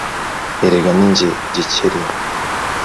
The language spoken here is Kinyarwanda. Erega ni jye Gikeli.